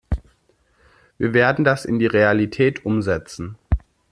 Wir werden das in die Realität umsetzen.